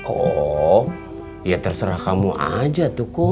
oh ya terserah kamu aja tuh